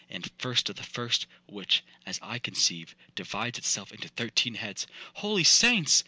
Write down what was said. And first of the first, which, as I conceive, divides itself into thirteen heads,'—'Holy saints!'